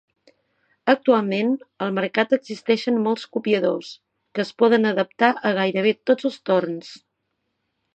Actualment, al mercat existeixen molts copiadors, que es poden adaptar a gairebé tots els torns.